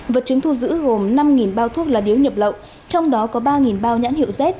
vật chứng thu giữ gồm năm bao thuốc lá điếu nhập lậu trong đó có ba bao nhãn hiệu z